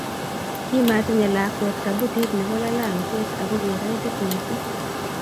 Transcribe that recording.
Kimatinye lakwet kabutit nebo lalangyet ako kikaitit mising